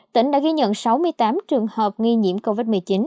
tỉnh đã ghi nhận sáu mươi tám trường hợp nghi nhiễm covid một mươi chín